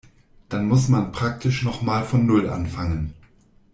Dann muss man praktisch noch mal von Null anfangen.